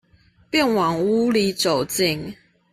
便往屋裡走進